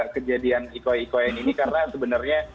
kejadian ikoi ikoian ini karena sebenarnya